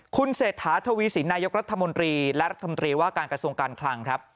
คุณเศรษฐาทวีสินนายกรัฐมนตรีและรัฐมนตรีว่าการกระทรวงการคลังครับ